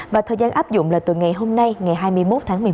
và thời gian áp dụng là từ ngày hôm nay ngày hai mươi một tháng một mươi một